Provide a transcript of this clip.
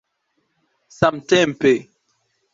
samtempe